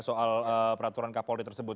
soal peraturan kapolri tersebut